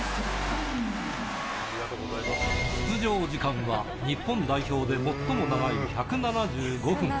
出場時間は、日本代表で最も長い１７５分。